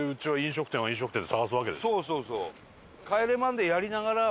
そうそうそう。